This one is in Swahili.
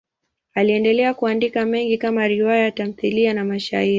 Aliendelea kuandika mengi kama riwaya, tamthiliya na mashairi.